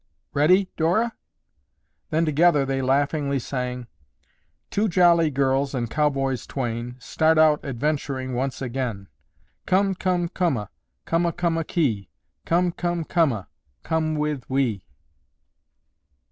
Ready, Dora?" Then together they laughingly sang— "Two jolly girls and cowboys twain Start out adventuring once again. Come, come, coma, Coma, coma, kee. Come, come, coma, Come with we."